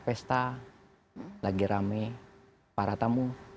pesta lagi rame para tamu